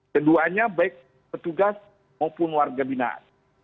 keduanya baik petugas maupun warga binaan